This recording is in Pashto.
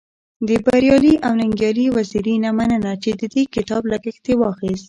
د بريالي او ننګيالي وزيري نه مننه چی د دې کتاب لګښت يې واخست.